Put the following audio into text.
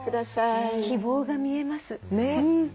希望が見えます。